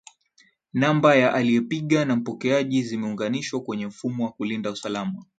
Namba ya aliepiga na mpokeaji zimeunganishwa kwenye mfumo wa kulinda usalama